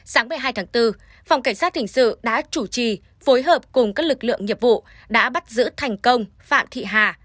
sáng một mươi hai tháng bốn phòng cảnh sát hình sự đã chủ trì phối hợp cùng các lực lượng nghiệp vụ đã bắt giữ thành công phạm thị hà